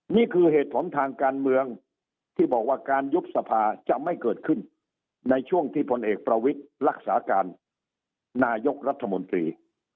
นี่คือเหตุผลทางการเมืองที่บอกว่าการยุบสภาจะไม่เกิดขึ้นในช่วงที่พลเอกประวิทย์รักษาการนายกรัฐมนตรี